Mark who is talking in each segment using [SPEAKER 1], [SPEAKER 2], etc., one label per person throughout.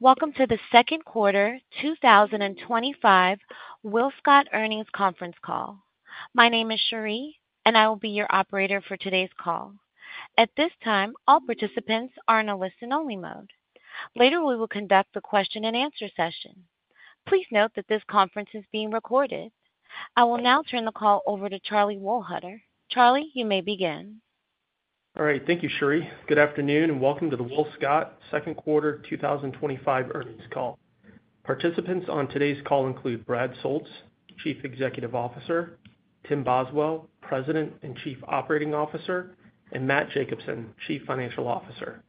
[SPEAKER 1] Welcome to the Q2 2025 WillScot earnings Conference Call. My name is Sherry and I will be your operator for today's call. At this time, all participants are in a listen-only mode. Later we will conduct the question and answer session. Please note that this conference is being recorded. I will now turn the call over to Charlie Wohlhuter. Charlie, you may begin.
[SPEAKER 2] All right, thank you, Sherry. Good afternoon and welcome to the WillScot Mobile Mini Holdings Corp. Q2 2025 earnings call. Participants on today's call include Brad Soultz, Chief Executive Officer, Tim Boswell, President and Chief Operating Officer, and Matt Jacobsen, Chief Financial Officer.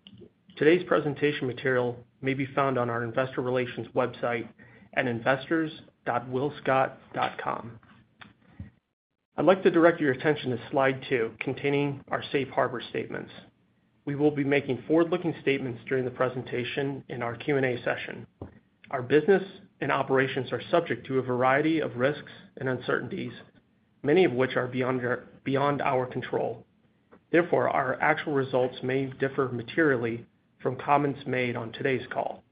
[SPEAKER 2] Today's presentation material may be found on. Our investor relations website is investors.willscot.com. I'd like to direct your attention to slide two, containing our safe harbor statements. We will be making forward-looking statements during the presentation and in our Q&A session. Our business and operations are subject to. A variety of risks and uncertainties, many of which are beyond our control, may cause our actual results to differ materially from comments made on today's call.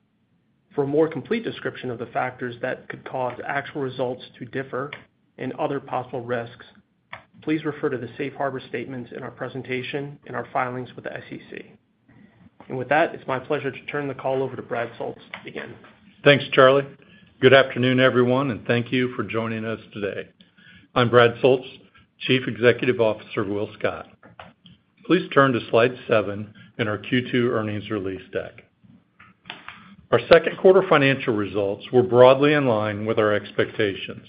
[SPEAKER 2] For a more complete description of the Factors that could cause actual results to differ. Differ and other possible risks, please refer to the Safe Harbor statements in our. Presentation in our filings with the SEC. With that, it's my pleasure to. Turn the call over to Brad Soultz again.
[SPEAKER 3] Thanks, Charlie. Good afternoon, everyone, and thank you for joining us today. I'm Brad Soultz, Chief Executive Officer of WillScot Mobile Mini Holdings Corp. Please turn to Slide seven in our Q2 earnings release deck. Our Q2 financial results were broadly in line with our expectations.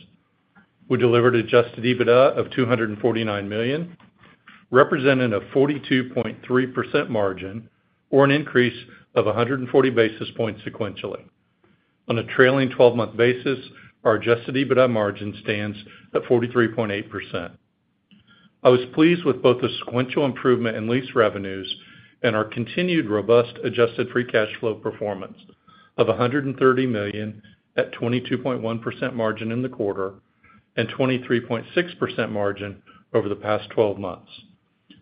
[SPEAKER 3] We delivered Adjusted EBITDA of $249 million, representing a 42.3% margin, or an increase of 140 basis points sequentially on a trailing twelve month basis. Our Adjusted EBITDA margin stands at 43.8%. I was pleased with both the sequential improvement in lease revenues and our continued robust adjusted free cash flow performance of $130 million at a 22.1% margin in the quarter and a 23.6% margin over the past 12 months,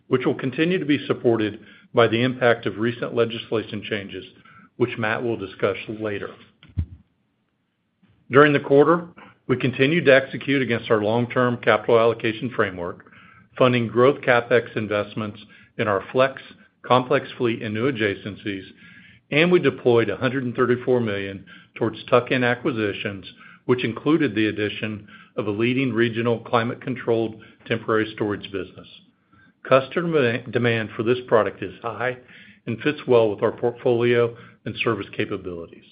[SPEAKER 3] which will continue to be supported by the impact of recent legislation changes, which Matt will discuss later. During the quarter, we continued to execute against our long term capital allocation framework, funding growth, CapEx investments in our FLEX complex fleet and new adjacencies. We deployed $134.2 million towards tuck-in acquisitions, which included the addition of a leading regional climate-controlled temporary storage business. Customer demand for this product is high and fits well with our portfolio and service capabilities.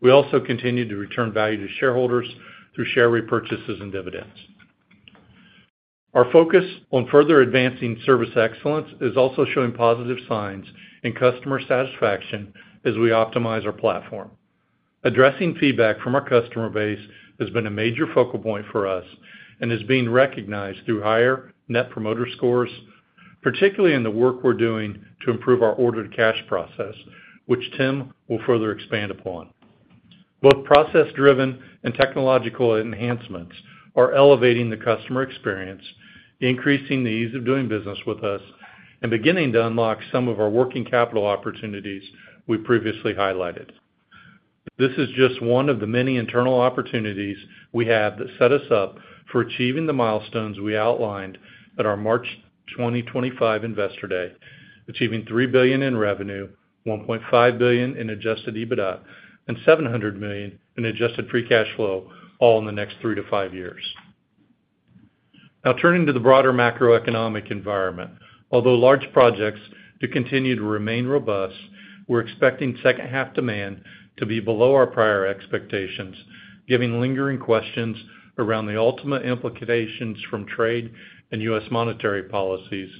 [SPEAKER 3] We also continue to return value to shareholders through share repurchases and dividends. Our focus on further advancing service excellence is also showing positive signs in customer satisfaction as we optimize our platform. Addressing feedback from our customer base has been a major focal point for us and is being recognized through higher Net Promoter Scores, particularly in the work we're doing to improve our order to cash process, which Tim will further expand upon. Both process-driven and technological enhancements are elevating the customer experience, increasing the ease of doing business with us, and beginning to unlock some of our working capital opportunities we previously highlighted. This is just one of the many internal opportunities we have that set us up for achieving the milestones we outlined at our March 2025 Investor Day: achieving $3 billion in revenue, $1.5 billion in Adjusted EBITDA, and $700 million in adjusted free cash flow, all in the next three to five years. Now turning to the broader macroeconomic environment, although large projects do continue to remain robust, we're expecting second half demand to be below our prior expectations, given lingering questions around the ultimate implications from trade and U.S. monetary policies,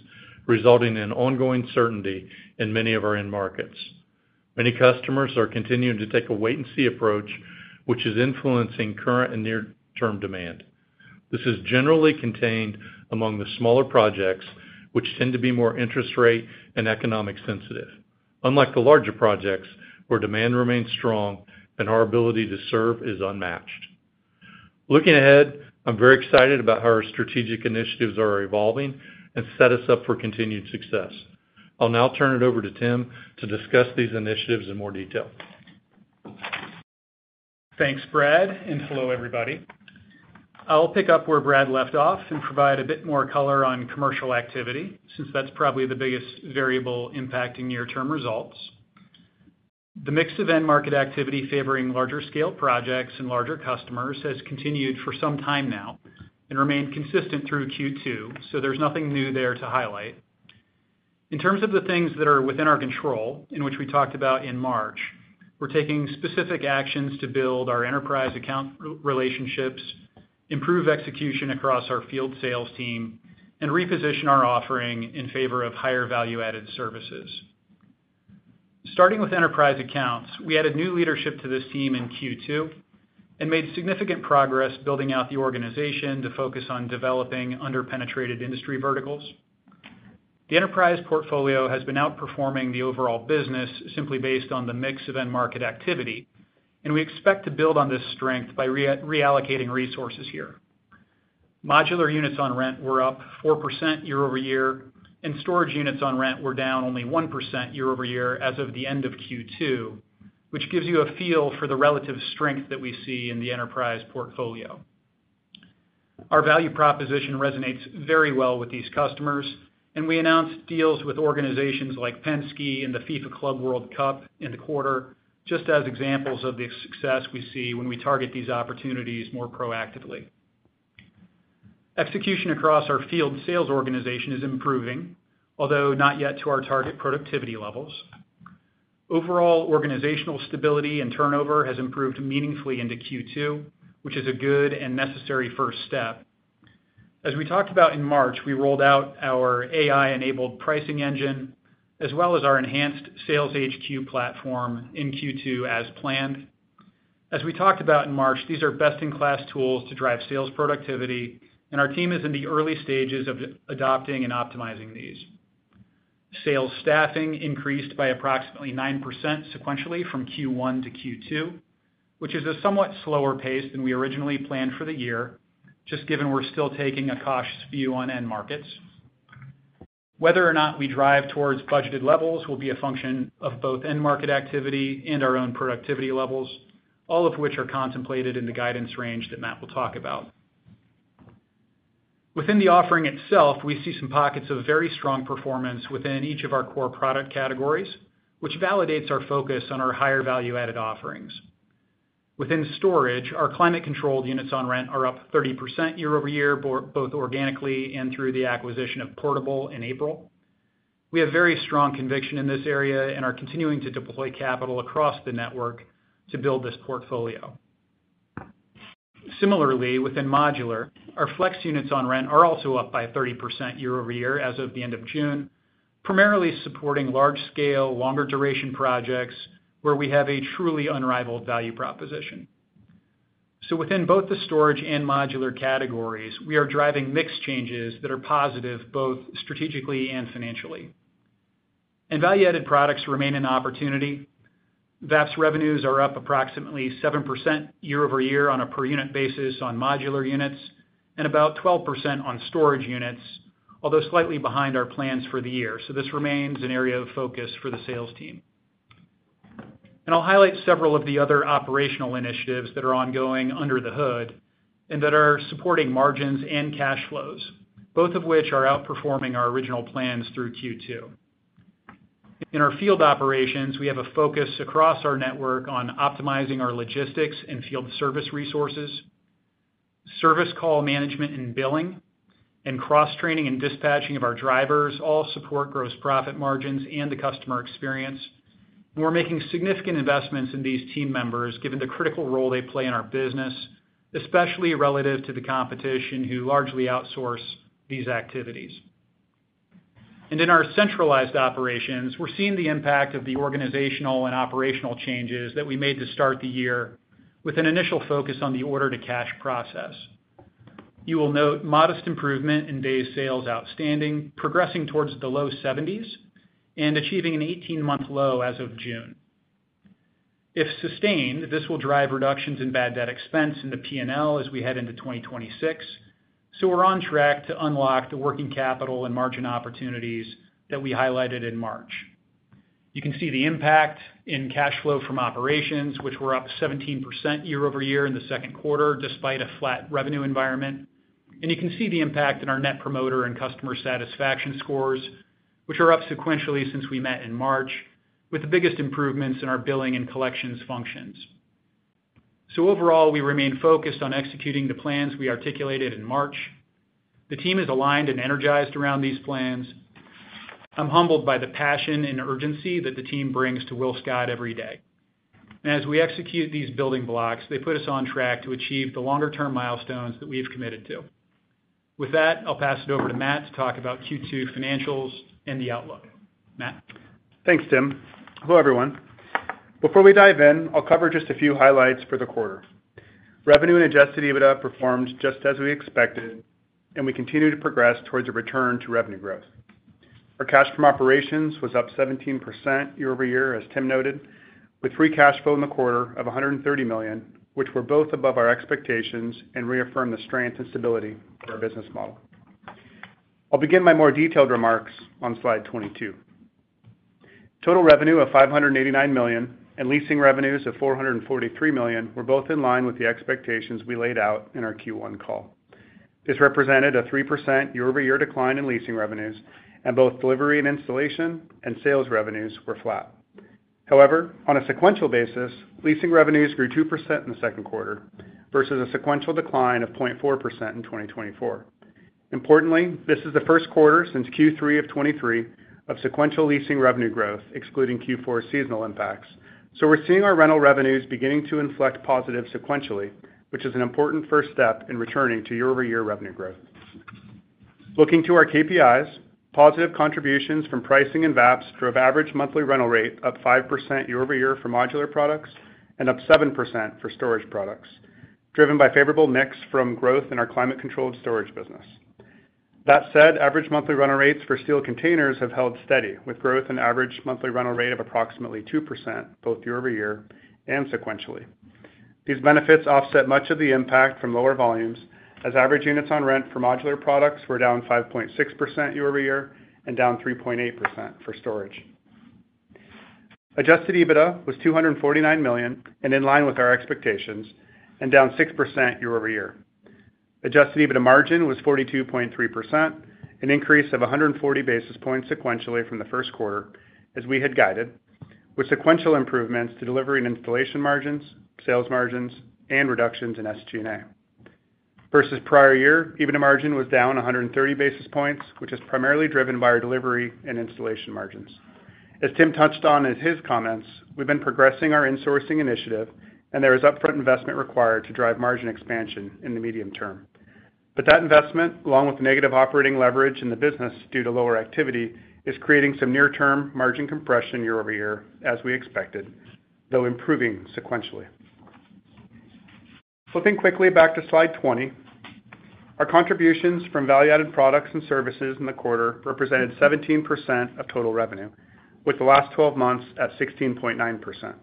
[SPEAKER 3] resulting in ongoing uncertainty in many of our end markets. Many customers are continuing to take a wait and see approach, which is influencing current and near-term demand. This is generally contained among the smaller projects, which tend to be more interest rate and economic sensitive, unlike the larger projects where demand remains strong and our ability to serve is unmatched. Looking ahead, I'm very excited about how our strategic initiatives are evolving and set us up for continued success. I'll now turn it over to Tim to discuss these initiatives in more detail.
[SPEAKER 4] Thanks Brad and hello everybody. I'll pick up where Brad left off and provide a bit more color on commercial activity since that's probably the biggest variable impacting near term results. The mix of end market activity favoring larger scale projects and larger customers has continued for some time now and remained consistent through Q2, so there's nothing new there to highlight in terms of the things that are within our control and which we talked about in March. We're taking specific actions to build our enterprise account relationships, improve execution across our field sales team, and reposition our offering in favor of higher value-added services starting with enterprise accounts. We added new leadership to this team in Q2 and made significant progress building out the organization to focus on developing underpenetrated industry verticals. The enterprise portfolio has been outperforming the overall business simply based on the mix of end market activity, and we expect to build on this strength by reallocating resources here. Modular units on rent were up 4% year-over-year and storage units on rent were down only 1% year-over-year as of the end of Q2, which gives you a feel for the relative strength that we see in the enterprise portfolio. Our value proposition resonates very well with these customers, and we announced deals with organizations like Penske and the FIFA Club World Cup in the quarter just as examples of the success we see when we target these opportunities more proactively. Execution across our field sales organization is improving, although not yet to our target productivity levels. Overall organizational stability and turnover has improved meaningfully into Q2, which is a good and necessary first step. As we talked about in March, we rolled out our AI-enabled pricing engine as well as our enhanced Sales HQ platform in Q2 as planned, as we talked about in March. These are best-in-class tools to drive sales productivity, and our team is in the early stages of adopting and optimizing these. Sales staffing increased by approximately 9% sequentially from Q1-Q2, which is a somewhat slower pace than we originally planned for the year just given we're still taking a cautious view on end markets. Whether or not we drive towards budgeted levels will be a function of both end market activity and our own productivity levels, all of which are contemplated in the guidance range that Matt will talk about. Within the offering itself, we see some pockets of very strong performance within each of our core product categories, which validates our focus on our higher value-added offerings. Within Storage, our climate-controlled units on rent are up 30% year-over-year, both organically and through the acquisition of Portable in April. We have very strong conviction in this area and are continuing to deploy capital across the network to build this portfolio. Similarly, within Modular, our FLEX units on rent are also up by 30% year-over-year as of the end of June, primarily supporting large-scale, longer-duration projects where we have a truly unrivaled value proposition. Within both the storage and modular categories, we are driving mix changes that are positive both strategically and financially, and value-added products remain an opportunity. VAPs revenues are up approximately 7% year-over-year on a per unit basis on modular units and about 12% on storage units, although slightly behind our plans for the year. This remains an area of focus for the sales team, and I'll highlight several of the other operational initiatives that are ongoing under the hood and that are supporting margins and cash flows, both of which are outperforming our original plans through Q2. In our field operations, we have a focus across our network on optimizing our logistics and field service resources, service call management and billing, and cross-training and dispatching of our drivers all support gross profit margins and the customer experience. We're making significant investments in these team members given the critical role they play in our business, especially relative to the competition who largely outsource these activities, and in our centralized operations. We're seeing the impact of the organizational and operational changes that we made to start the year with an initial focus on the order to cash process. You will note modest improvement in Days Sales Outstanding, progressing towards the low 70% and achieving an 18-month low as of June. If sustained, this will drive reductions in bad debt expense in the P&L as we head into 2026. We're on track to unlock the working capital and margin opportunities that we highlighted in March. You can see the impact in cash flow from operations, which were up 17% year-over-year in the Q2 despite a flat revenue environment. You can see the impact in our net promoter and customer satisfaction scores, which are up sequentially since we met in March, with the biggest improvements in our billing and collections functions. Overall, we remain focused on executing the plans we articulated in March. The team is aligned and energized around these plans. I'm humbled by the passion and urgency that the team brings to WillScot every day as we execute these building blocks. They put us on track to achieve the longer term milestones that we have committed to. With that, I'll pass it over to Matt to talk about Q2 financials and the outlook.
[SPEAKER 5] Matt, thanks Tim. Hello everyone. Before we dive in, I'll cover just a few highlights for the quarter. Revenue and Adjusted EBITDA performed just as we expected, and we continue to progress towards a return to revenue growth. Our cash from operations was up 17% year-over-year, as Tim noted, with free cash flow in the quarter of $130 million, which were both above our expectations and reaffirmed the strength and stability of our business model. I'll begin my more detailed remarks on slide 22. Total revenue of $589 million and lease revenues of $443 million were both in line with the expectations we laid out in our Q1 call. This represented a 3% year-over-year decline in lease revenues, and both delivery and installation and sales revenues were flat. However, on a sequential basis, lease revenues grew 2% in the Q2 versus a sequential decline of 0.4% in 2024. Importantly, this is the Q1 since Q3 of 2023 of sequential lease revenue growth excluding Q4 seasonal impacts. We're seeing our rental revenues beginning to inflect positive sequentially, which is an important first step in returning to year-over-year revenue growth. Looking to our KPIs, positive contributions from pricing and VAPs drove average monthly rental rate up 5% year-over-year for modular products and up 7% for storage products, driven by favorable mix from growth in our climate-controlled storage business. That said, average monthly rental rates for steel containers have held steady with growth in average monthly rental rate of approximately 2% plus both year-over-year and sequentially. These benefits offset much of the impact from lower volumes as average units on rent for modular products were down 5.6% year-over-year and down 3.8% for storage. Adjusted EBITDA was $249 million and in line with our expectations and down 6% year-over-year. Adjusted EBITDA margin was 42.3%, an increase of 140 basis points sequentially from the Q1. As we had guided, with sequential improvements to delivery and installation margins, sales margins, and reductions in SG&A versus prior year. EBITDA margin was down 130 basis points, which is primarily driven by our delivery and installation margins. As Tim touched on in his comments, we've been progressing our insourcing initiative, and there is upfront investment required to drive margin expansion in the medium-term. That investment, along with negative operating leverage in the business due to lower activity, is creating some near-term margin compression year-over-year as we expected, though improving sequentially. Flipping quickly back to slide 20, our contributions from value-added products and services in the quarter represented 17% of total revenue, with the last 12 months at 16.9%.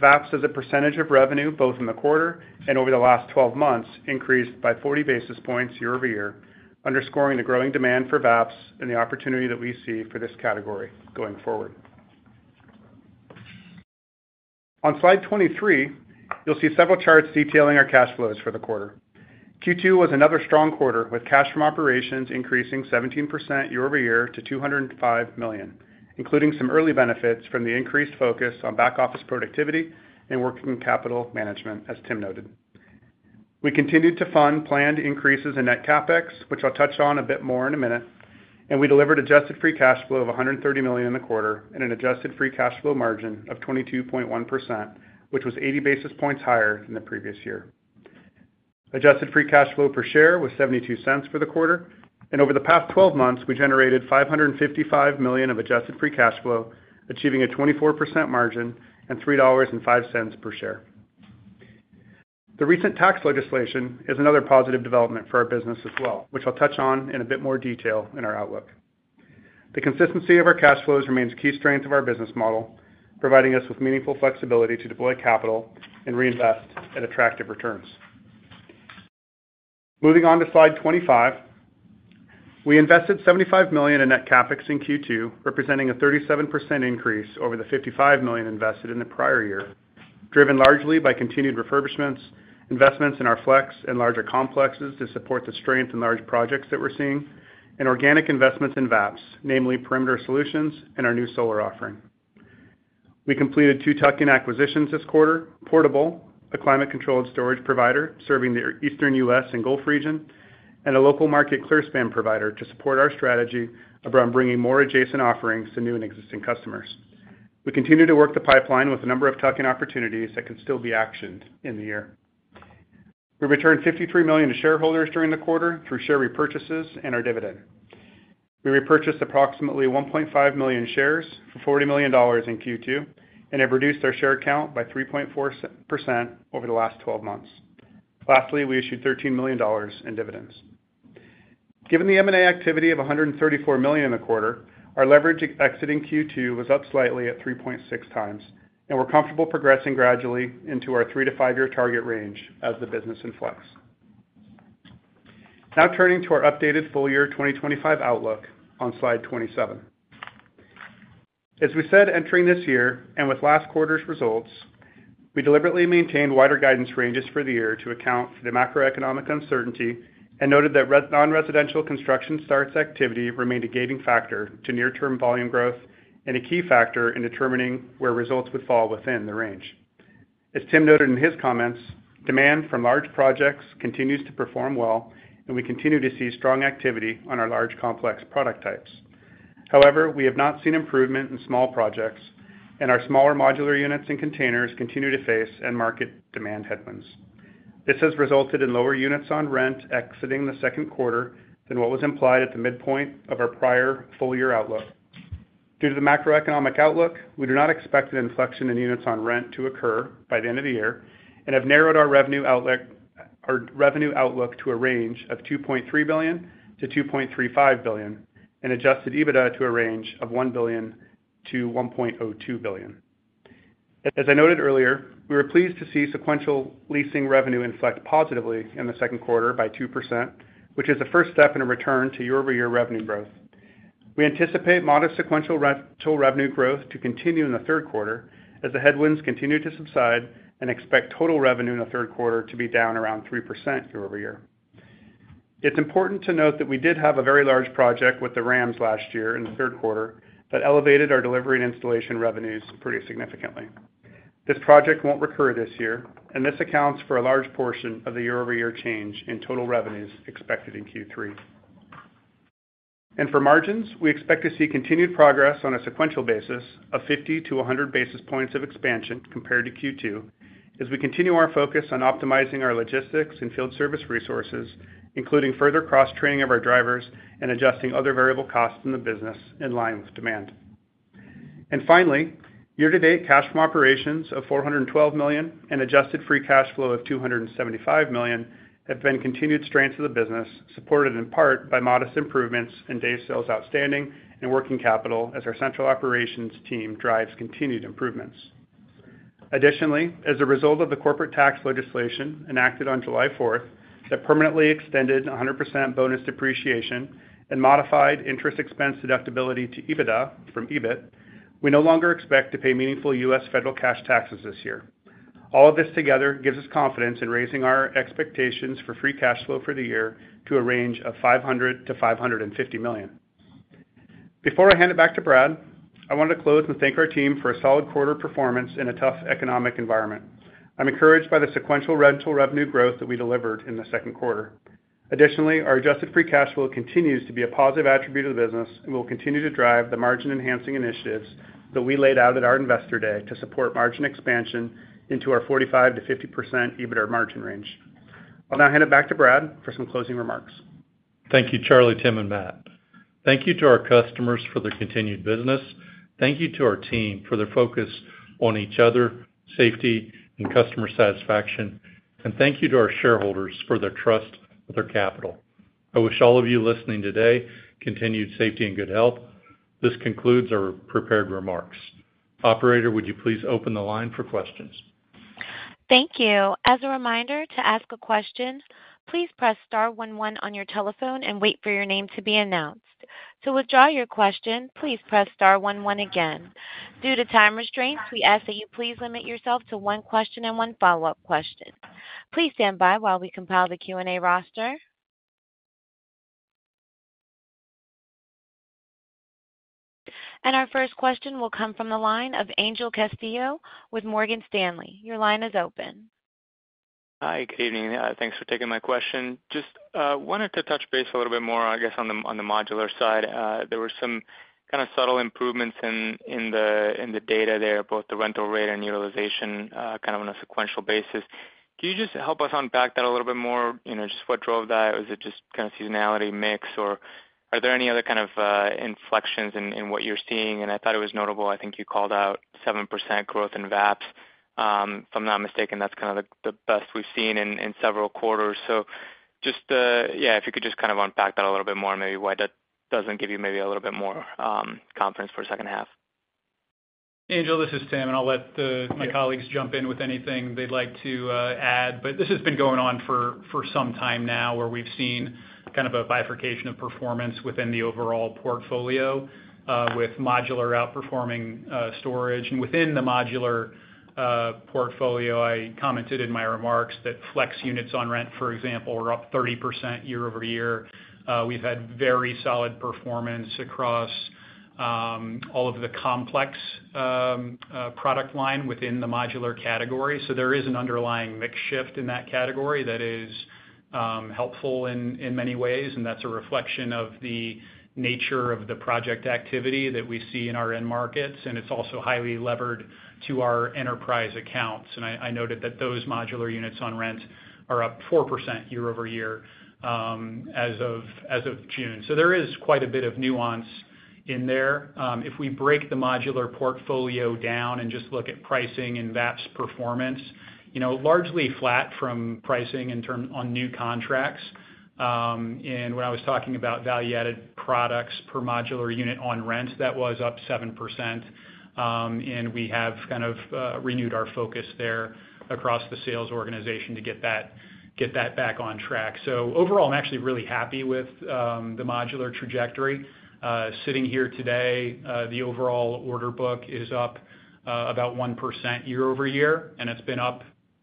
[SPEAKER 5] VAPs as a percentage of revenue both in the quarter and over the last 12 months increased by 40 basis points year-over-year, underscoring the growing demand for VAPs and the opportunity that we see for this category going forward. On slide 23, you'll see several charts detailing our cash flows for the quarter. Q2 was another strong quarter with cash from operations increasing 17% year-over-year to $205 million, including some early benefits from the increased focus on back office productivity and working capital management. As Tim noted, we continued to fund planned increases in net CapEx, which I'll touch on a bit more in a minute, and we delivered adjusted free cash flow of $130 million in the quarter and an adjusted free cash flow margin of 22.1%, which was 80 basis points higher than the previous year. Adjusted free cash flow per share was $0.72 for the quarter, and over the past 12 months we generated $555 million of adjusted free cash flow, achieving a 24% margin and $3.05 per share. The recent tax legislation is another positive development for our business as well, which I'll touch on in a bit more detail. In our outlook, the consistency of our cash flows remains a key strength of our business model, providing us with meaningful flexibility to deploy capital and reinvest at attractive returns. Moving to slide 25, we invested $75 million in net CapEx in Q2, representing a 37% increase over the $55 million invested in the prior year, driven largely by continued refurbishments, investments in our FLEX and larger complexes to support the strength in large projects that we're seeing, and organic investments in VAPs, namely perimeter solutions and our new solar offering. We completed two tuck-in acquisitions this quarter: Portable, a climate-controlled storage provider serving the eastern U.S. and Gulf region, and a local market clearspan provider to support our strategy around bringing more adjacent offerings to new and existing customers. We continue to work the pipeline with a number of tuck-in opportunities that can still be actioned in the year. We returned $53 million to shareholders during the quarter through share repurchases and our dividend. We repurchased approximately 1.5 million shares for $40 million in Q2 and have reduced our share count by 3.4% over the last 12 months. Lastly, we issued $13 million in dividends. Given the M&A activity of $134 million in the quarter, our leverage exiting Q2 was up slightly at 3.6x and we're comfortable progressing gradually into our 3-5 year target range as the business inflects. Now turning to our updated full year 2025 outlook on Slide 27. As we said entering this year and with last quarter's results, we deliberately maintained wider guidance ranges for the year to account for the macroeconomic uncertainty and noted that nonresidential construction starts activity remained a gating factor to near term volume growth and a key factor in determining where results would fall within the range. As Tim noted in his comments, demand from large projects continues to perform well and we continue to see strong activity on our large complex product types. However, we have not seen improvement in small projects and our smaller modular units and containers continue to face end market demand headwinds. This has resulted in lower units on rent exiting the Q2 than what was implied at the mid-point of our prior full year outlook. Due to the macroeconomic outlook, we do not expect an inflection in units on rent to occur by the end of the year and have narrowed our revenue outlook to a range of $2.3 billion-$2.35 billion and Adjusted EBITDA to a range of $1 billion-$1.02 billion. As I noted earlier, we were pleased to see sequential leasing revenue inflect positively in the Q2 by 2%, which is the first step in a return to year-over-year revenue growth. We anticipate modest sequential revenue growth to continue in the Q3 as the headwinds continue to subside and expect total revenue in the Q3 to be down around 3% year-over-year. It's important to note that we did have a very large project with the Rams last year in the Q3 that elevated our delivery and installation revenues pretty significantly. This project won't recur this year, and this accounts for a large portion of the year-over-year change in total revenues expected in Q3. For margins, we expect to see continued progress on a sequential basis of 50-100 basis points of expansion compared to Q2 as we continue our focus on optimizing our logistics and field service resources, including further cross training of our drivers and adjusting other variable costs in the business in line with demand. Finally, year to date, cash from operations of $412 million and adjusted free cash flow of $275 million have been continued strengths of the business, supported in part by modest improvements in Days Sales Outstanding in working capital as our central operations team drives continued improvements. Additionally, as a result of the corporate tax legislation enacted on July 4 that permanently extended 100% bonus depreciation and modified interest expense deductibility to EBITDA from EBIT, we no longer expect to pay meaningful U.S. Federal cash taxes this year. All of this together gives us confidence in raising our expectations for free cash flow for the year to a range of $500-$550 million. Before I hand it back to Brad, I want to close and thank our team for a solid quarter performance in a tough economic environment. I'm encouraged by the sequential rental revenue growth that we delivered in the Q2. Additionally, our adjusted free cash flow continues to be a positive attribute of the business and will continue to drive the margin enhancing initiatives that we laid out at our investor day to support margin expansion into our 45%-50% EBITDA margin range. I'll now hand it back to Brad for some closing remarks.
[SPEAKER 3] Thank you, Charlie, Tim, and Matt. Thank you to our customers for their continued business, thank you to our team for their focus on each other, safety, and customer satisfaction, and thank you to our shareholders for their trust with their capital. I wish all of you listening today continued safety and good health. This concludes our prepared remarks. Operator, would you please open the line for questions?
[SPEAKER 1] Thank you. As a reminder, to ask a question, please press star one one on your telephone and wait for your name to be announced. To withdraw your question, please press star one one. Again, due to time restraints, we ask that you please limit yourself to one question and one follow-up question. Please stand by while we compile the Q&A roster. Our first question will come from the line of Angel Castillo with Morgan Stanley. Your line is open.
[SPEAKER 6] Hi, good evening. Thanks for taking my question. Just wanted to touch base a little bit more. I guess on the modular side there were some kind of subtle improvements in the data there, both the rental rate and utilization kind of on a sequential basis. Can you just help us unpack that? A little bit more? You know, just what drove that? Was it just kind of seasonality mix, or are there any other kind of inflections in what you're seeing? I thought it was notable. I think you called out 7% growth in VAPs, if I'm not mistaken. That's kind of the best we've seen in several quarters. If you could just kind of unpack that a little bit more, maybe why that doesn't give you maybe a little bit more confidence for the second half.
[SPEAKER 4] Angel, this is Tim and I'll let my colleagues jump in with anything they'd like to add. This has been going on for some time now where we've seen kind of a bifurcation of performance within the overall portfolio with modular outperforming storage and within the modular portfolio. I commented in my remarks that FLEX units on rent, for example, are up 30% year-over-year. We've had very solid performance across all of the complex product line within the modular category. There is an underlying mix shift in that category that is helpful in many ways and that's a reflection of the nature of the project activity that we see in our end markets. It's also highly levered to our enterprise accounts. I noted that those modular units on rent are up 4% year-over-year. As of June. There is quite a bit of nuance in there. If we break the modular portfolio down and just look at pricing and VAP's performance, you know, largely flat from pricing on new contracts. When I was talking about value-added products per modular unit on rent, that was up 7%. We have kind of renewed our focus there across the sales organization to get that back on track. Overall, I'm actually really happy with the modular trajectory sitting here today. The overall order book is up about 1% year-over-year and it's been up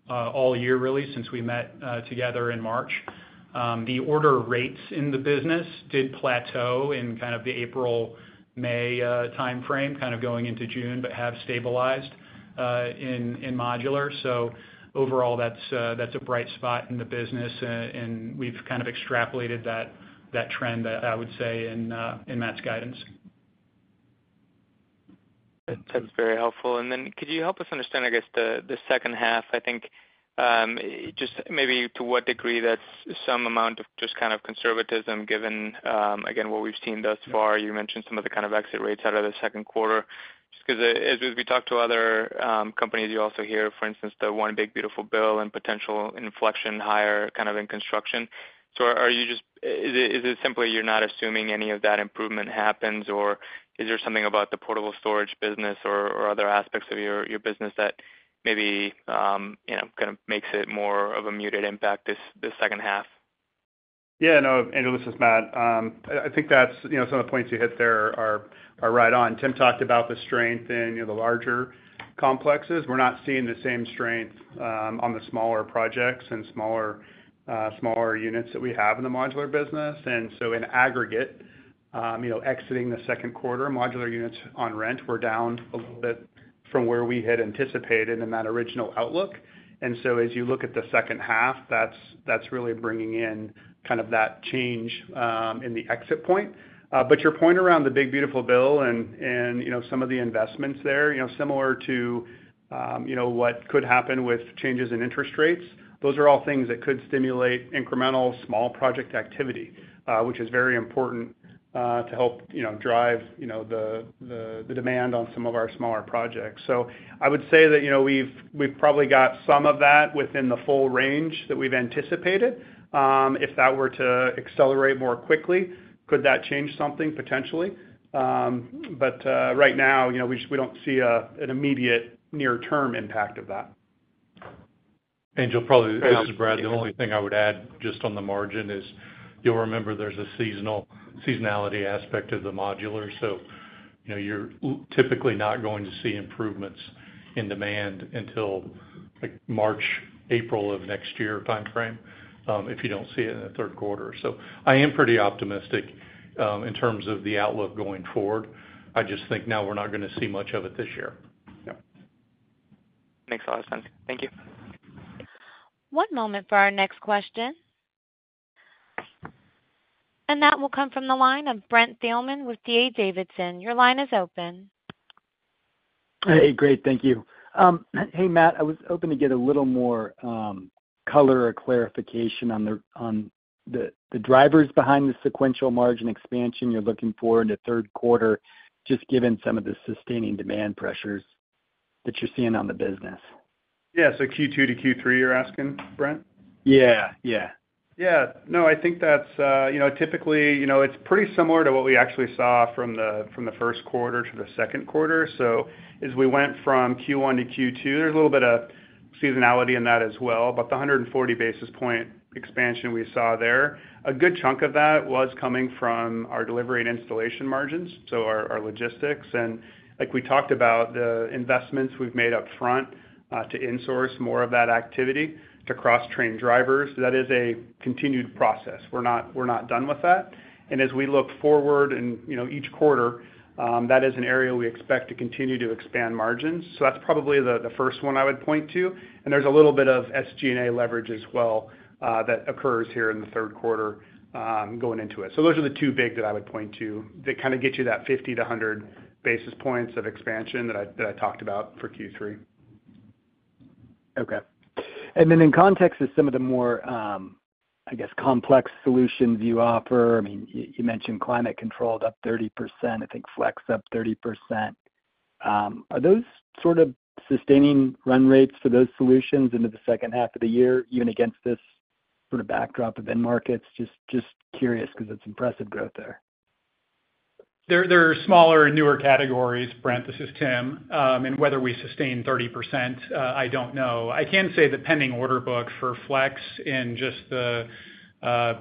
[SPEAKER 4] all year really since we met together in March. The order rates in the business did plateau in kind of the April, May timeframe, kind of going into June, but have stabilized in modular. Overall, that's a bright spot in the business. We've kind of extrapolated that trend, I would say, in Matt's guidance.
[SPEAKER 6] That's very helpful. Could you help us understand, I guess, the second half? I think just maybe to what degree that's some amount of just kind of conservatism given again what we've seen thus far. You mentioned some of the kind of exit rates out of the Q2. As we talk to other companies, you also hear, for instance, the one big beautiful bill and potential inflection higher in construction. Is it simply you're not assuming any of that improvement happens, or is there something about the portable storage business or other aspects of your business that maybe kind of makes it more of a muted impact this second half?
[SPEAKER 5] Yeah. Andrew, this is Matt. I think some of the points you hit there are right on. Tim talked about the strength in the larger complexes. We're not seeing the same strength on the smaller projects and smaller units that we have in the modular business. In aggregate, exiting the Q2, modular units on rent were down a little bit from where we had anticipated in that original outlook. As you look at the second half, that's really bringing in kind of that change in the exit point. Your point around the big beautiful bill and some of the investments there, similar to what could happen with changes in interest rates, those are all things that could stimulate incremental small project activity, which is very important to help drive the demand on some of our smaller projects. I would say that we've probably got some of that within the full range that we've anticipated. If that were to accelerate more quickly, could that change something potentially, but right now, you know, we don't see an immediate near term impact of that.
[SPEAKER 3] Angel, probably this is Brad, the only thing I would add just on the margin is you'll remember there's a seasonality aspect of the modular. You're typically not going to see improvements in demand until March, April of next year timeframe if you don't see it in the Q3. I am pretty optimistic in terms of the outlook going forward, I just think now we're not going to see much of it this year.
[SPEAKER 6] Makes a lot of sense. Thank you.
[SPEAKER 1] One moment for our next question. That will come from the line of Brent Thielman with D.A. Davidson. Your line is open.
[SPEAKER 7] Great, thank you. Hey, Matt, I was hoping to get. A little more color or clarification on. The drivers behind the sequential margin expansion. You're looking for in the Q3, just given some of the sustaining demand. Pressures that you're seeing on the business.
[SPEAKER 5] Yeah. Q2 to Q3, you're asking, Brent?
[SPEAKER 7] Yeah, yeah, yeah.
[SPEAKER 5] I think that's typically pretty similar to what we actually saw from the Q1 to the Q2. As we went from Q1 to Q2, there's a little bit of seasonality in that as well. The 140 basis point expansion we saw there, a good chunk of that was coming from our delivery and installation margins. Our logistics and, like we talked about, the investments we've made up front to insource more of that activity, to cross train drivers, that is a continued process. We're not done with that. As we look forward and you. Each quarter, that is an area. We expect to continue to expand margins. That's probably the first one I would point to. There's a little bit of SG&A leverage as well that occurs here in the Q3 going into it. Those are the two big that I would point to that kind of get you that 50-100 basis points of expansion that I talked about for Q3.
[SPEAKER 7] Okay. In context of some of the more, I guess, complex solutions you offer, you mentioned climate-controlled up 30%. I think FLEX up 30%. Are those sort of sustaining run rates for those solutions into the second half of the year, even against this sort of backdrop of end markets? Just curious, because it's impressive growth there.
[SPEAKER 4] There are smaller and newer categories. Brent, this is Tim. Whether we sustain 30%, I don't know. I can say the pending order book for flexibility in just the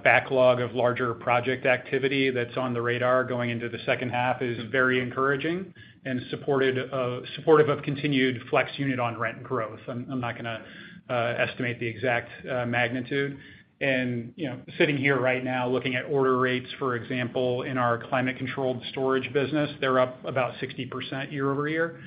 [SPEAKER 4] backlog of larger project activity that's on the radar going into the second half is very encouraging and supportive of continued FLEX unit on rent growth. I'm not going to estimate the exact magnitude. Sitting here right now looking at order rates, for example, in our climate-controlled storage business, they're up about 60% year-over-year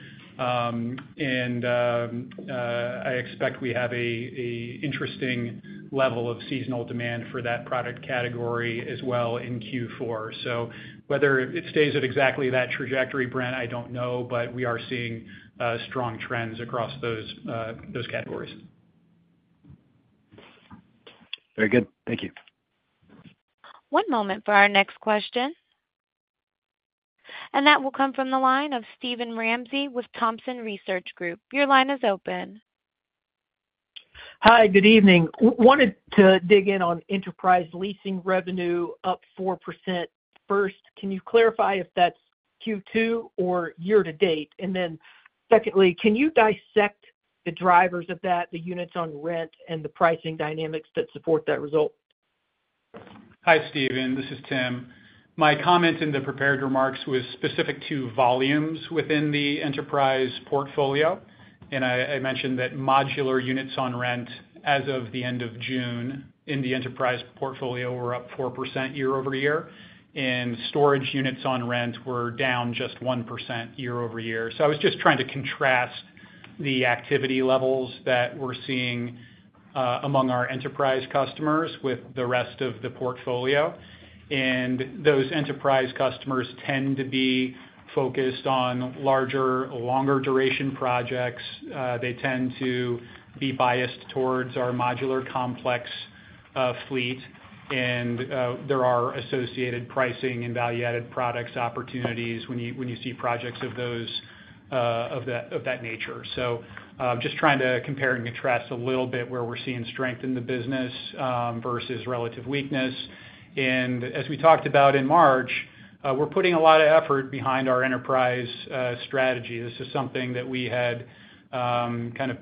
[SPEAKER 4] and I expect we have an interesting level of seasonal demand for that product category as well in Q4. Whether it stays at exactly that trajectory, Brent, I don't know, but we are seeing strong trends across those categories.
[SPEAKER 7] Very good, thank you.
[SPEAKER 1] One moment for our next question. That will come from the line of Steven Ramsey with Thompson Research Group. Your line is open.
[SPEAKER 8] Hi, good evening. Wanted to dig in on enterprise leasing revenue up 4%. First, can you clarify if that's Q2 or year to date, and then secondly, can you dissect the drivers of that, the units on rent, and the pricing. Dynamics that support that result?
[SPEAKER 4] Hi Steven, this is Tim. My comment in the prepared remarks was specific to volumes within the enterprise portfolio. I mentioned that modular units on rent as of the end of June in the enterprise portfolio were up 4% year-over-year, and storage units on rent were down just 1% year-over-year. I was just trying to contrast the activity levels that we're seeing among our enterprise customers with the rest of the portfolio. Those enterprise customers tend to be focused on larger, longer duration projects. They tend to be biased towards our modular complex fleet, and there are associated pricing and value-added products opportunities when you see projects of that nature. I am just trying to compare and contrast a little bit where we're seeing strength in the business versus relative weakness. As we talked about in March, we're putting a lot of effort behind our enterprise strategy. This is something that we had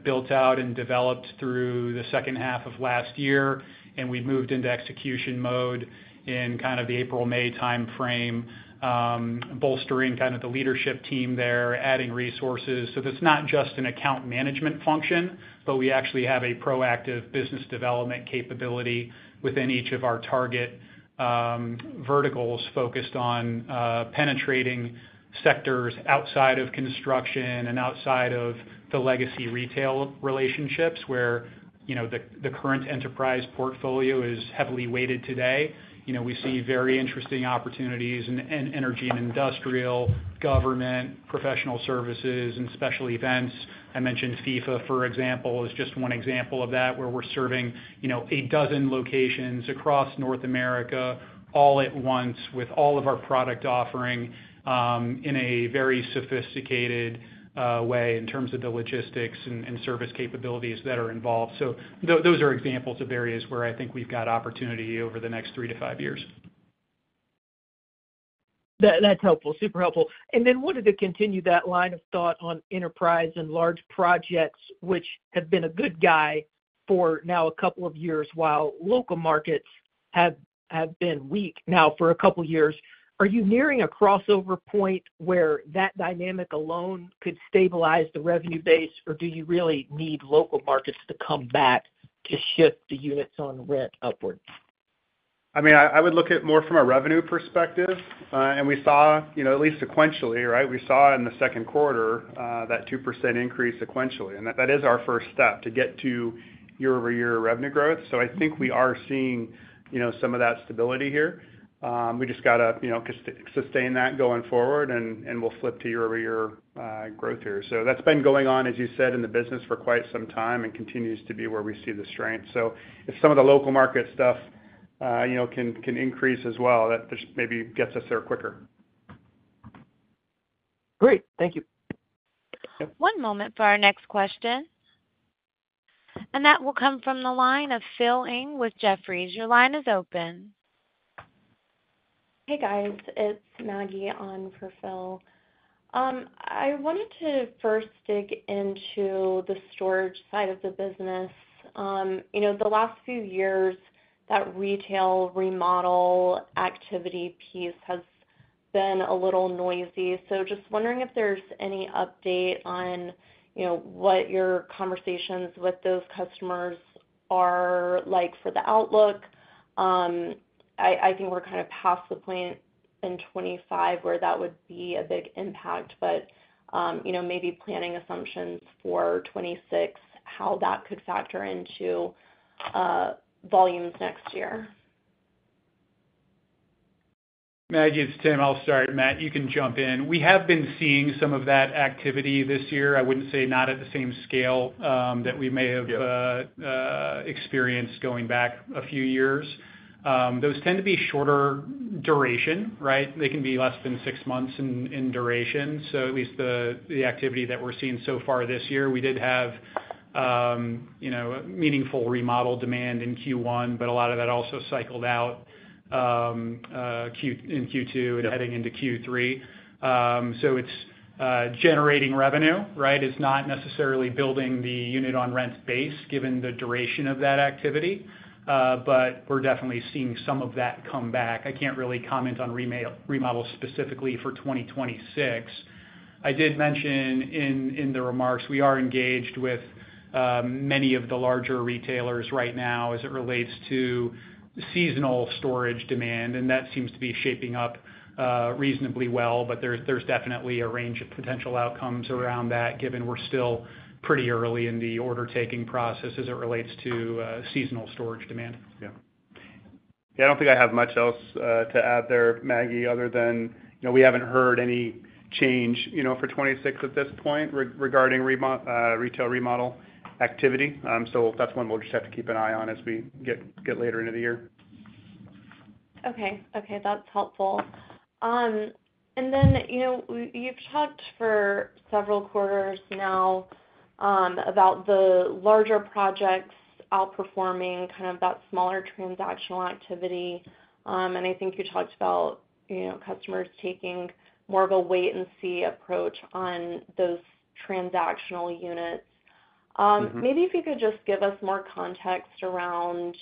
[SPEAKER 4] built out and developed through the second half of last year, and we've moved into execution mode in the April, May time frame, bolstering the leadership team there and adding resources. It is not just an account management function, but we actually have a proactive business development capability within each of our target verticals focused on penetrating sectors outside of construction and outside of the legacy retail relationships where the current enterprise portfolio is heavily weighted. Today we see very interesting opportunities in energy and industrial, government, professional services, and inspection events. I mentioned FIFA, for example, as just one example of that where we're serving a dozen locations across North America all at once with all of our product offering in a very sophisticated way in terms of the logistics and service capabilities that are involved. These are examples of areas where I think we've got opportunity over the next three to five years.
[SPEAKER 8] That's helpful, super helpful. I wanted to continue that line of thought on enterprise and large projects, which have been a good guide for now a couple of years, while local markets have been weak now for a couple of years. Are you nearing a crossover point where that dynamic alone could stabilize the revenue? Base, or do you really need local markets to come back to shift the units on rent upward?
[SPEAKER 5] I mean, I would look at it more from a revenue perspective, and we saw at least sequentially, right, we saw in the Q2 that 2% increase sequentially. That is our first step to get to year-over-year revenue growth. I think we are seeing some of that stability here. We just got to sustain that going forward, and we'll flip to year-over-year growth here. That has been going on, as you said, in the business for quite some time and continues to be where we see the strength. If some of the local market stuff can increase as well, that maybe gets us there quicker.
[SPEAKER 8] Great. Thank you.
[SPEAKER 1] One moment for our next question. That will come from the line of Phil Ng with Jefferies. Your line is open.
[SPEAKER 9] Hey guys, it's Maggie on for Phil. I wanted to first dig into the storage side of the business. You know, the last few years that retail remodel activity piece has been a little noisy. Just wondering if there's any update on what your conversations with those customers are like for the outlook. I think we're kind of past the point in 2025 where that would be a big impact, but maybe planning assumptions for 2026, how that could factor into volumes next year.
[SPEAKER 4] Maggie, it's Tim. I'll start. Matt, you can jump in. We have been seeing some of that activity this year. I wouldn't say not at the same scale that we may have experienced going back a few years. Those tend to be shorter duration. They can be less than six months in duration. At least the activity that we're seeing so far this year, we did have meaningful remodel demand in Q1, but a lot of that also cycled out in Q2 and heading into Q3. It's generating revenue. It's not necessarily building the unit on rent base given the duration of that activity, but we're definitely seeing some of that come back. I can't really comment on remodel specifically for 2026. I did mention in the remarks we are engaged with many of the larger retailers right now as it relates to seasonal storage demand and that seems to be shaping up reasonably well. There's definitely a range of potential outcomes around that, given we're still pretty early in the order taking process as it relates to seasonal storage demand.
[SPEAKER 5] I don't think I have much else to add there, Maggie, other than we haven't heard any change for 2026 at this point regarding retail remodel activity. That's one we'll just have to keep an eye on as we get later into the year.
[SPEAKER 9] Okay, that's helpful. You've talked for several quarters now about the larger projects outperforming kind of that smaller transactional activity. I think you talked about customers taking more of a wait and see approach on those transactional units. Maybe if you could just give us more context around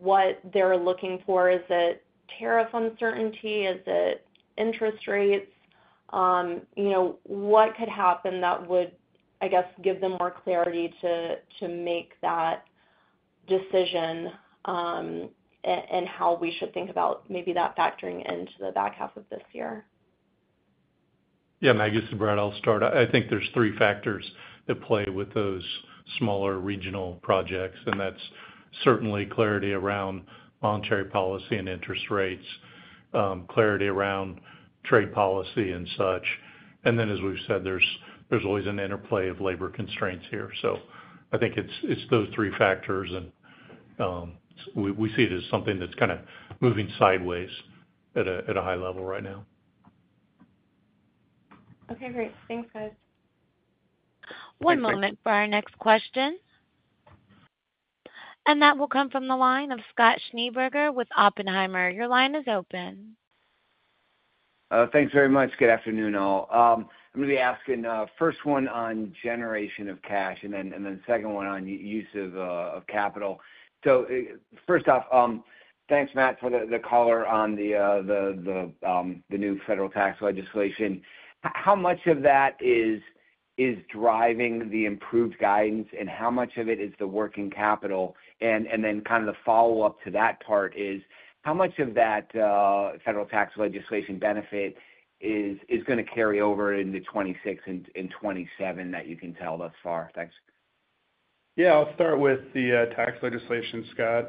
[SPEAKER 9] what they're looking for. Is it tariff uncertainty, is it interest rates? What could happen that would, I guess, give them more clarity to make that decision and how we should think about maybe that factoring into the back half of this year.
[SPEAKER 3] Yeah, Maggie, Brad, I'll start. I think there's three factors at play with those smaller regional projects: that's certainly clarity around monetary policy and interest rates, clarity around trade policy and such. As we've said, there's always an interplay of labor constraints here. I think it's those three factors, and we see it as something that's kind of moving sideways at a high level right now.
[SPEAKER 9] Okay, great. Thanks, guys.
[SPEAKER 1] One moment for our next question and that will come from the line of Scott Schneeberger with Oppenheimer. Your line is open.
[SPEAKER 10] Thanks very much. Good afternoon all. I'm going to be asking, first one on generation of cash and then second one on use of capital. First off, thanks, Matt, for the color on the new federal tax legislation. How much of that is driving the improved guidance and how much of it is the working capital? The follow up to that part is how much of that federal tax legislation benefit is going to carry over in 2026 and 2027 that you can tell thus far. Thanks.
[SPEAKER 5] Yeah, I'll start with the tax legislation, Scott.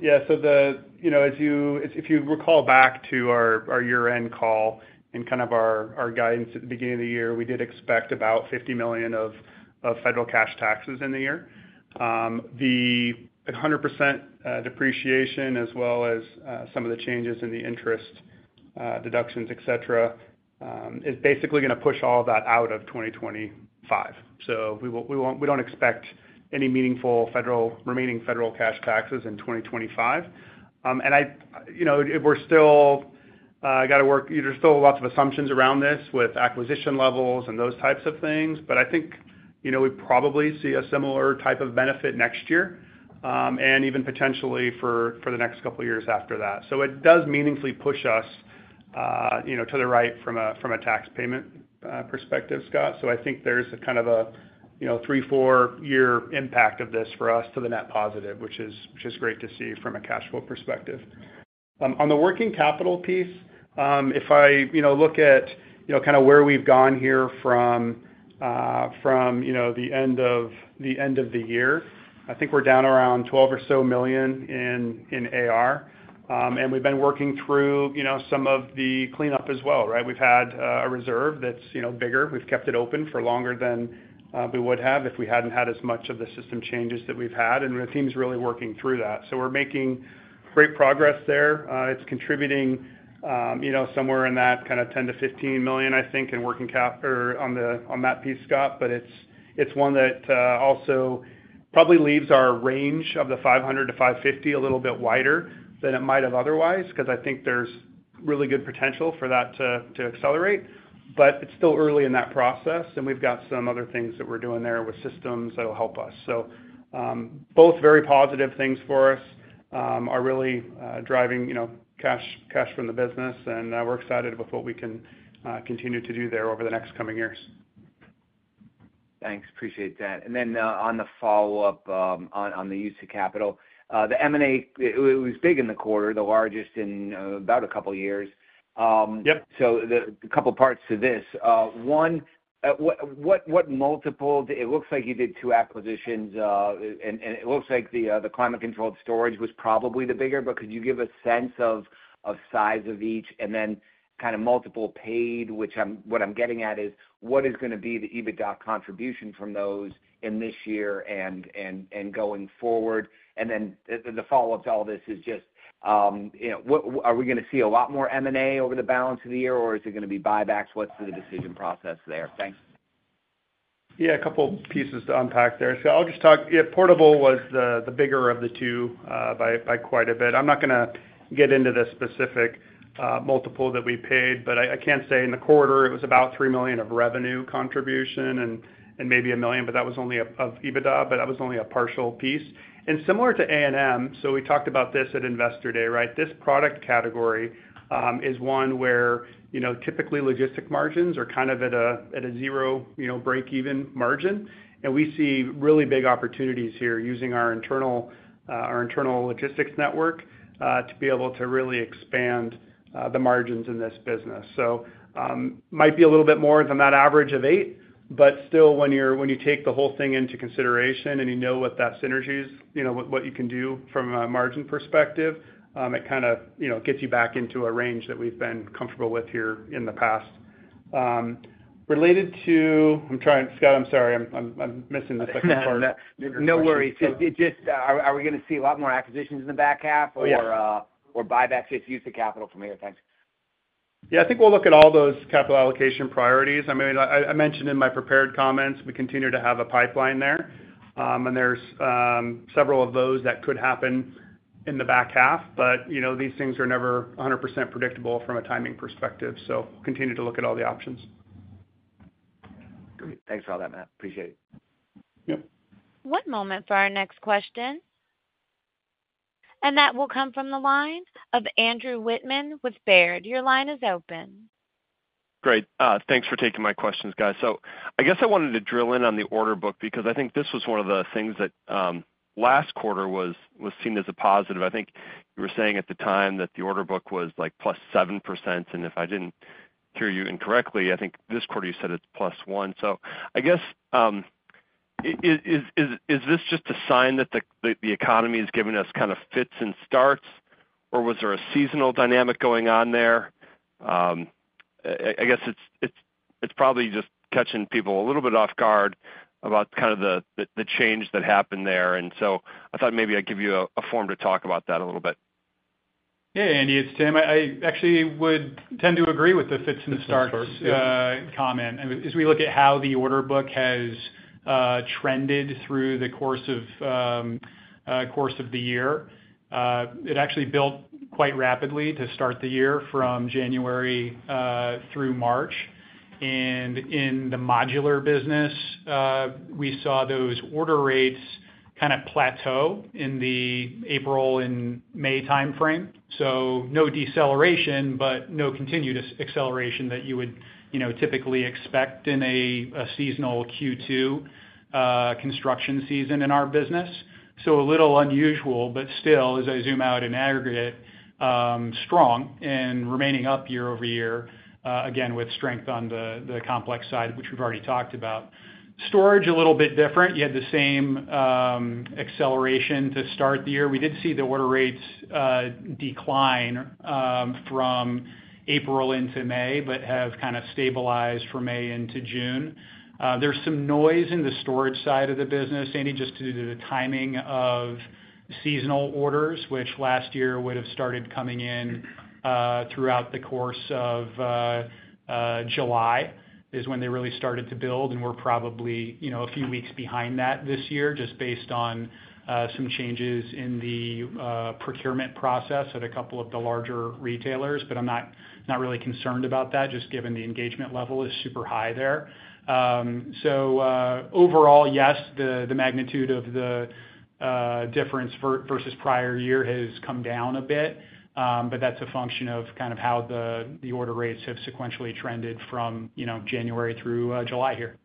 [SPEAKER 5] If you recall back to our year-end call and our guidance at the beginning of the year, we did expect about $50 million of federal cash taxes in the year. The 100% bonus depreciation as well as some of the changes in the interest deductions, etc., is basically going to push all of that out of 2025. We don't expect any meaningful remaining federal cash taxes in 2025. We're still working through this. There are still lots of assumptions around this with acquisition levels and those types of things. I think we probably see a similar type of benefit next year and even potentially for the next couple years after that. It does meaningfully push us to the right from a tax payment perspective. I think there's a kind of three, four year impact of this for us to the net positive, which is great to see from a cash flow perspective. On the working capital piece, if I look at where we've gone here from the end of the year, I think we're down around $12 million or so in AR and we've been working through some of the cleanup as well. We've had a reserve that's bigger. We've kept it open for longer than we would have if we hadn't had as much of the system changes that we've had. The team's really working through that. We're making great progress there. It's contributing somewhere in that $10-$15 million range, I think, in working capital on that piece. It's one that also probably leaves our range of the $500-$550 million a little bit wider than it might have otherwise, because I think there's really good potential for that to accelerate. It's still early in that process and we've got some other things that we're doing there with systems that will help us. Both very positive things for us are really driving cash from the business and we're excited with what we can continue to do there over the next coming years.
[SPEAKER 10] Thanks, appreciate that. On the follow up on the use of capital, the M&A was big in the quarter, the largest in about a couple years. A couple parts to this one. What multiple? It looks like you did two acquisitions. It looks like the climate-controlled storage was probably the bigger, but could you give a sense of size of each and then kind of multiple paid, which what I'm getting at is what is going to be the EBITDA contribution from those in this year and going forward. The follow up to all this is just are we going to see a lot more M&A over the balance of the year or is it going to be buybacks? What's the decision process there?
[SPEAKER 5] Yes, a couple pieces to unpack there. I'll just talk Portable was the bigger of the two by quite a bit. I'm not going to get into the specific multiple that we paid, but I can say in the quarter it was about $3 million of revenue contribution and maybe $1 million of EBITDA. That was only a partial piece and similar to A&M. We talked about this at Investor Day, right? This product category is one where typically logistic margins are kind of at a zero break-even margin. We see really big opportunities here using our internal logistics network to be able to really expand the margins in this business. It might be a little bit more than that average of $8 million, but still, when you take the whole thing into consideration and you know what that synergy is, you know what you can do from a margin perspective, it kind of gets you back into a range that we've been comfortable with here in the past. I'm trying, Scott. I'm sorry, I'm missing the second part.
[SPEAKER 10] No worries. Are we going to see a lot more acquisitions in the back half or buybacks? It's use of capital from here. Thanks.
[SPEAKER 5] Yeah, I think we'll look at all those capital allocation priorities. I mentioned in my prepared comments we continue to have a pipeline there, and there's several of those that could happen in the back half. These things are never 100% predictable from a timing perspective. Continue to look at all the options.
[SPEAKER 10] Thanks for all that, Matt. Appreciate it.
[SPEAKER 1] One moment for our next question. That will come from the line of Andrew Whitman with Baird. Your line is open.
[SPEAKER 11] Great. Thanks for taking my questions, guys. I wanted to drill in on the order book because I think this was one of the things that last quarter was seen as a positive. I think you were saying at the time that the order book was like +7%. If I didn't hear you incorrectly, I think this quarter you said it's +1%. I guess. Is this just a? sign that the economy has given us kind of fits and starts, or was there a seasonal dynamic going on there? I guess it's probably just catching people a little bit off guard about kind of the change that happened there. I thought maybe I'd give you a forum to talk about that a little bit.
[SPEAKER 4] Yeah, Andy, it's Tim. I actually would tend to agree with the fits and starts comment. As we look at how the order book has trended through the course of the year, it actually built quite rapidly to start the year from January through March. In the modular business, we saw those order rates kind of plateau in the April and May timeframe. There was no deceleration but no continued acceleration that you would typically expect in a seasonal Q2 construction season in our business, which is a little unusual. Still, as I zoom out in aggregate, strong and remaining up year-over-year again with strength on the complex side, which we've already talked about. Storage is a little bit different. You had the same acceleration to start the year. We did see the order rates decline from April into May, but have kind of stabilized from May into June. There's some noise in the storage side of the business, Andy, just due to the timing of seasonal orders, which last year would have started coming in throughout the course of July when they really started to build. We're probably a few weeks behind that this year, just based on some changes in the procurement process at a couple of the larger retailers. I'm not really concerned about that just given the engagement level is super high there. Overall, yes, the magnitude of the difference versus prior year has come down a bit, but that's a function of kind of how the order rates have sequentially trended from January through July here.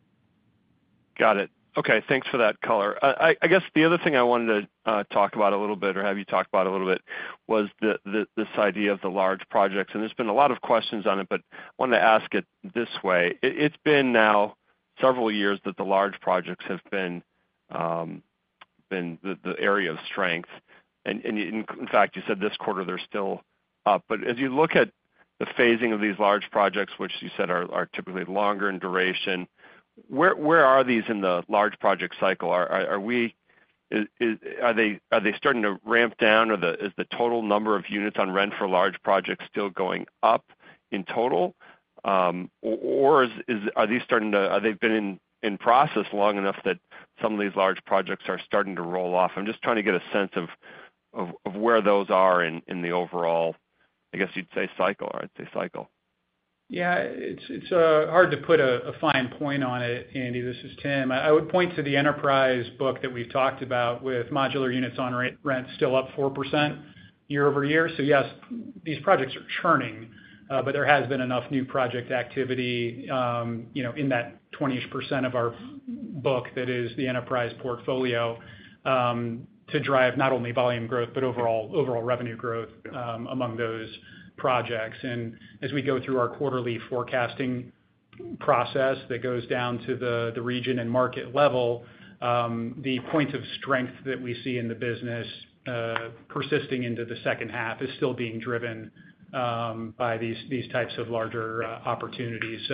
[SPEAKER 11] Got it. Okay. Thanks for that color. I guess the other thing I wanted to talk about a little bit, or have you talk about a little bit, was this idea of the large projects. There's been a lot of questions on it, but I wanted to ask it this way. It's been now several years that the large projects have been the area of strength. In fact, you said this quarter they're still up, but as you look at the phasing of these large projects, which you said are typically longer in duration, where are these in the large project cycle? Are they starting to ramp down? Is the total number of units on rent for large projects still going up in total or are these starting to been in process long enough that some of these large projects are starting to roll off? I'm just trying to get a sense of where those are in the overall, I guess you'd say cycle.
[SPEAKER 4] Yeah, it's hard to put a fine point on it. Andy, this is Tim. I would point to the enterprise book that we've talked about with modular units on rent still up 4% year-over-year. Yes, these projects are churning, but there has been enough new project activity in that 20% of our book, that is the enterprise portfolio, to drive not only volume growth, but overall revenue growth among those projects. As we go through our quarterly forecasting process that goes down to the region and market level, the point of strength that we see in the business persisting into the second half is still being driven by these types of larger opportunities.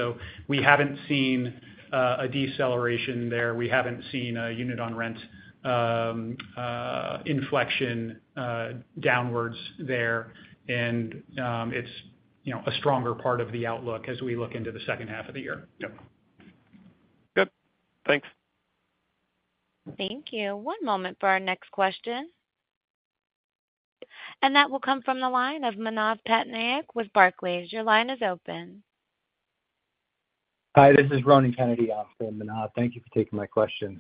[SPEAKER 4] We haven't seen a deceleration there, we haven't seen a unit on rent inflection downwards there. It's a stronger part of the outlook as we look into the second half of the year.
[SPEAKER 11] Good, thanks.
[SPEAKER 1] Thank you. One moment for our next question. That will come from the line of Manav Patnaik with Barclays. Your line is open.
[SPEAKER 12] Hi, this is Ronan Kennedy. Thank you for taking my questions.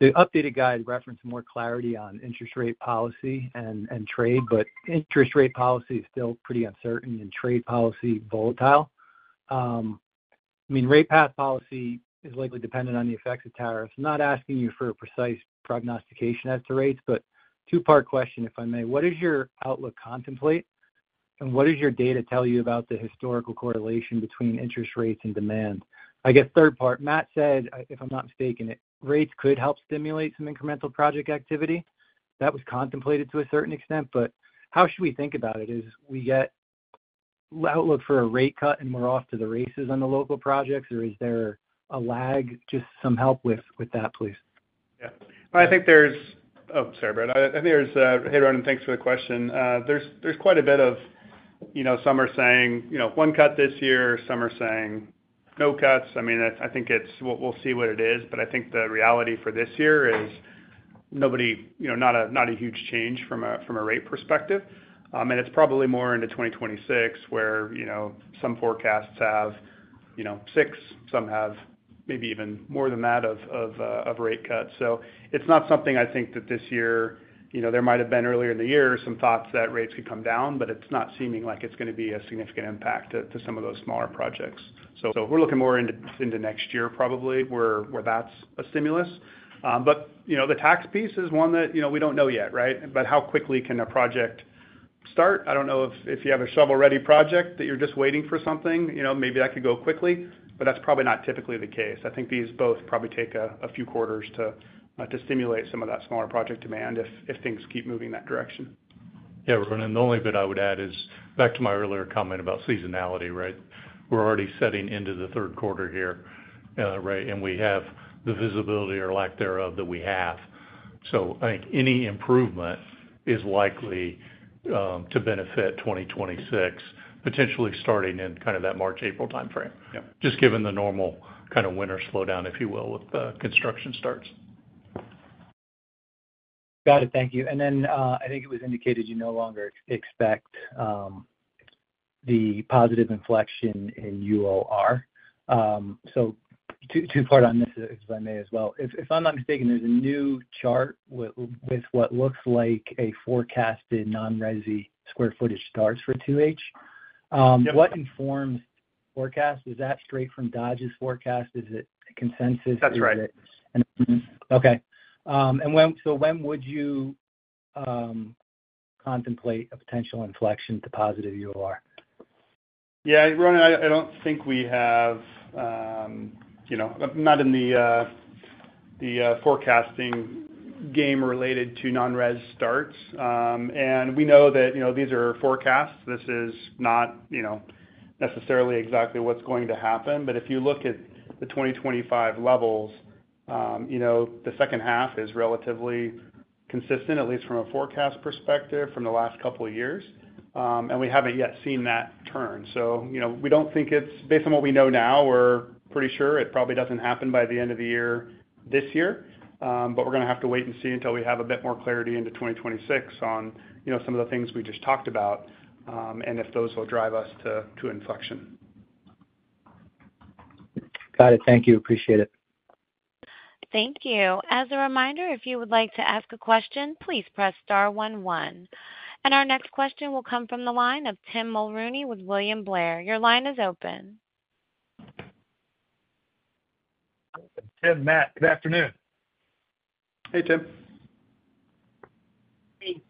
[SPEAKER 12] The updated guide referenced more clarity on interest rate policy and trade. Interest rate policy is still pretty uncertain and trade policy volatile. I mean, rate path policy is likely dependent on the effects of tariffs. Not asking you for a precise prognostication as to rates, but two part question, if I may. What does your outlook contemplate and what does your data tell you about the historical correlation between interest rates and demand? I guess, third part, Matt said if I'm not mistaken, rates could help stimulate some incremental project activity that was contemplated to a certain extent. How should we think about it? If we get outlook for a rate cut and we're off to the races on the local projects or is there a lag? Just some help with that, please.
[SPEAKER 3] I think there's
[SPEAKER 5] Sorry, Brad, I think there's. Hey, Ronan, thanks for the question. There's quite a bit of, you know, some are saying, you know, one cut this year, some are saying no cuts. I mean, I think it's, we'll see what it is. I think the reality for this year is nobody, you know, not a huge change from a rate perspective. It's probably more into 2026 where, you know, some forecasts have, you know, six, some have maybe even more than. That of rate cuts. It is not something, I think that this year, you know, there might have been earlier in the year some thoughts that rates could come down, but it is not seeming like it is going to be a significant impact to some of those smaller projects. We are looking more into next year probably where that is a stimulus. You know, the tax piece is. One that we don't know yet. Right. How quickly can a project start? I don't know if you have a shovel-ready project that you're just waiting for something, you know, maybe that could go quickly, that's probably not typically the case. I think these both probably take a few quarters to stimulate some of that smaller project demand if things keep moving that direction.
[SPEAKER 3] Yeah, Ronan, the only bit I would add is back to my earlier comment about seasonality. Right. We're already setting into the Q3 here, and we have the visibility or lack thereof that we have. I think any improvement is likely to benefit 2026, potentially starting in kind of that March, April timeframe, just given the normal kind of winter slowdown, if you will, with construction starts.
[SPEAKER 12] Got it. Thank you, and then I think it was indicated you no longer expect. The. Positive inflection in our So. Two part on this, if I may as well. If I'm not mistaken, there's a new chart with what looks like a forecasted non-resi square footage starts for 2H. What informs forecast? Is that straight from Dodge's forecast? Is it consensus?
[SPEAKER 5] That's right.
[SPEAKER 12] Okay. When would you contemplate a potential inflection to positive UR?
[SPEAKER 5] Yeah, Ronan, I don't think we have, you know, not in the forecasting game related to non res starts and we know that, you know, these are forecasts. This is not, you know, necessarily exactly what's going to happen. If you look at the 2025 levels, the second half is relatively consistent, at least from a forecast perspective from the last couple of years. We haven't yet seen that turn. We don't think it's based on what we know now. We're pretty sure it probably doesn't happen by the end of the year this year. We're going to have to wait and see until we have a bit more clarity into 2026 on, you know, some of the things we just talked about and if those will drive us to inflection.
[SPEAKER 12] Got it. Thank you. Appreciate it.
[SPEAKER 1] Thank you. As a reminder, if you would like to ask a question, please press star one one. Our next question will come from the line of Tim Mulrooney with William Blair. Your line is open.
[SPEAKER 13] Tim, Matt, good afternoon.
[SPEAKER 5] Hey, Tim.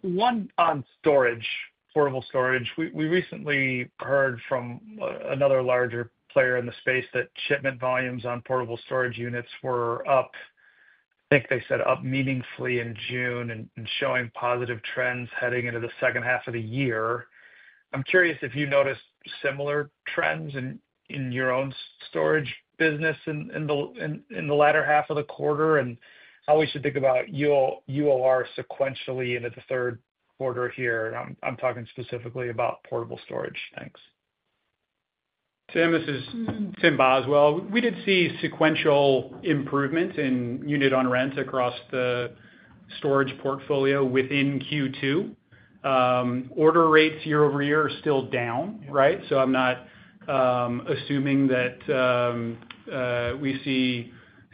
[SPEAKER 13] One on-screen storage, Portable storage. We recently heard from another larger player in the space that shipment volumes on portable storage units were up, I think they said up meaningfully in June. Showing positive trends heading into the second. Half of the year. I'm curious if you noticed similar trends in your own storage business in the latter half of the quarter, and how we should think about it sequentially into. The Q3 order here. I'm talking specifically about portable storage. Thanks,
[SPEAKER 4] Tim. This is Tim Boswell. We did see sequential improvement in unit on rent across the storage portfolio within Q2. Order rates year-over-year are still down. Right. I'm not assuming that we see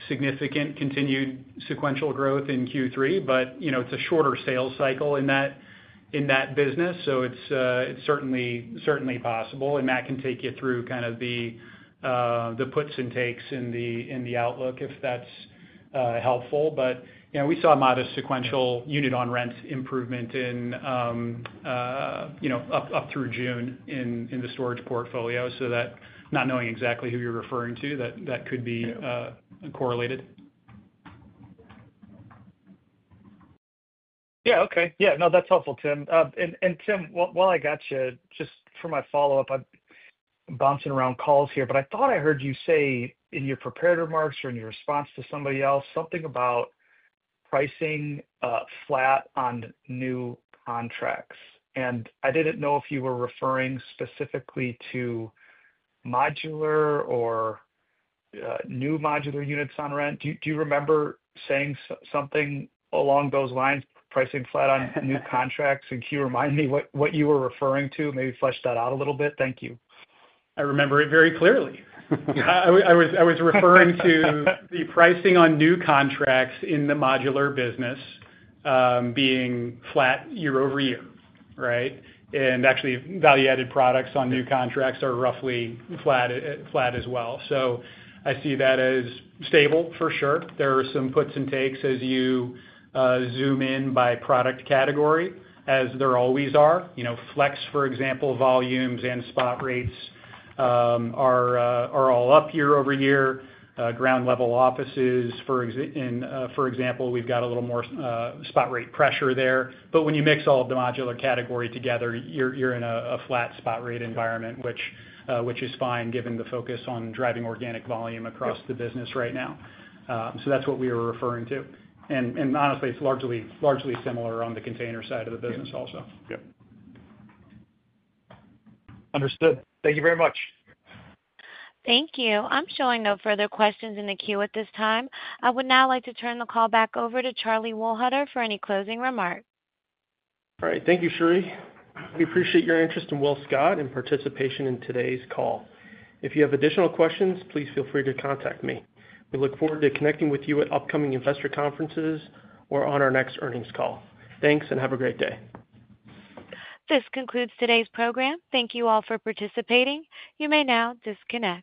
[SPEAKER 4] significant continued sequential growth in Q3, but you know, it's a shorter sales cycle in that business. It's certainly possible and Matt can take you through kind of the puts and takes in the outlook if that's helpful. We saw modest sequential unit on rent improvement up through June in the storage portfolio. Not knowing exactly who you're referring to, that could be correlated.
[SPEAKER 13] Yeah, okay. Yeah, no, that's helpful, Tim. While I got you, just. For my follow up, I'm bouncing around. I thought I heard you say in your prepared remarks or in your response to somebody else something about pricing flat on new contracts. I didn't know if you were referring specifically to modular or new modular units on rent. Do you remember saying something along those lines, pricing flat on new contracts? Can you remind me what you were referring to, maybe flesh that out a little bit? Thank you.
[SPEAKER 4] I remember it very clearly. I was referring to the pricing on new contracts in the modular business being flat year-over-year. Right. Actually, value-added products on new contracts are roughly flat as well. I see that as stable for sure. There are some puts and takes as you zoom in by product category, as there always are. Flex, for example, volumes and spot rates are all up year-over-year. Ground level offices, for example, we've got a little more spot rate pressure there. When you mix all of the modular category together, you're in a flat spot rate environment, which is fine given the focus on driving organic volume across the business right now. That's what we were referring to. Honestly, it's largely similar on the container side of the business also.
[SPEAKER 13] Understood. Thank you very much.
[SPEAKER 1] Thank you. I'm showing no further questions in the queue at this time. I would now like to turn the call back over to Charlie Wohlhuter for any closing remarks.
[SPEAKER 2] All right, thank you, Sherry. We appreciate your interest in WillScot. your participation in today's call. If you have additional questions, please feel free to contact me. We look forward to connecting with you. At upcoming investor conferences or on our next earnings call. Thanks and have a great day.
[SPEAKER 1] This concludes today's program. Thank you all for participating. You may now disconnect.